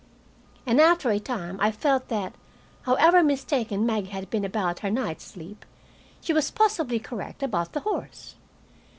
And after a time I felt that, however mistaken Maggie had been about her night's sleep, she was possibly correct about the horse.